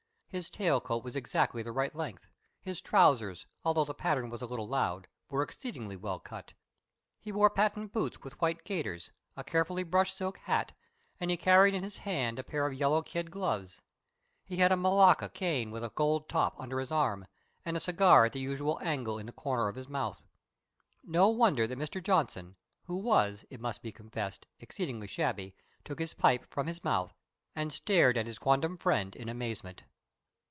His tail coat was exactly the right length; his trousers, although the pattern was a little loud, were exceedingly well cut. He wore patent boots with white gaiters, a carefully brushed silk hat, and he carried in his hand a pair of yellow kid gloves. He had a malacca cane with a gold top under his arm, and a cigar at the usual angle in the corner of his mouth. No wonder that Mr. Johnson, who was, it must be confessed, exceedingly shabby, took his pipe from his mouth and stared at his quondam friend in amazement.